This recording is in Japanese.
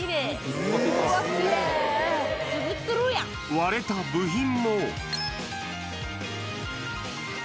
割れた部品も。